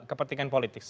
dan kepentingan politik